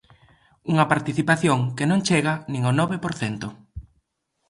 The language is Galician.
Unha participación que non chega nin ao nove por cento.